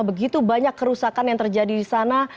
begitu banyak kerusakan yang terjadi di sana